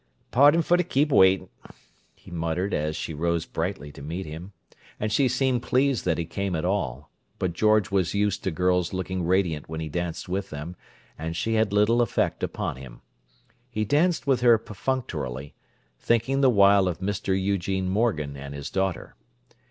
"Pardon f' keep' wait," he muttered, as she rose brightly to meet him; and she seemed pleased that he came at all—but George was used to girls' looking radiant when he danced with them, and she had little effect upon him. He danced with her perfunctorily, thinking the while of Mr. Eugene Morgan and his daughter.